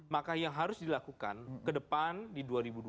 maka yang harus dilakukan ke depan di dua ribu dua puluh